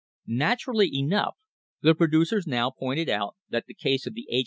Naturally enough the producers now pointed out that the case of the H.